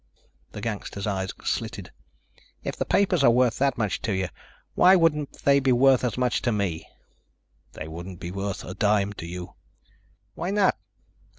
The gangster's eyes slitted. "If the papers are worth that much to you, why wouldn't they be worth as much to me?" "They wouldn't be worth a dime to you." "Why not?"